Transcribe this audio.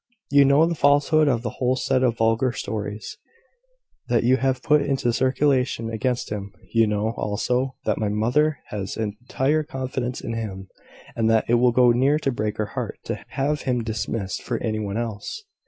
You know the falsehood of the whole set of vulgar stories that you have put into circulation against him. You know, also, that my mother has entire confidence in him, and that it will go near to break her heart to have him dismissed for any one else.